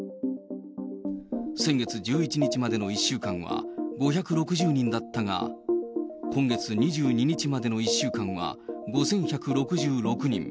先月１１日までの１週間は５６０人だったが、今月２２日までの１週間は５１６６人。